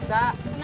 sampai jumpa lagi